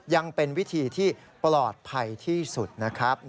ยังเป็นวิธีที่ปลอดภัยที่สุดนะครับ